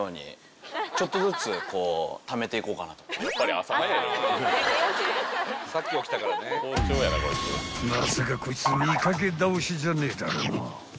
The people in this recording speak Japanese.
［まさかこいつ見掛け倒しじゃねえだろうな］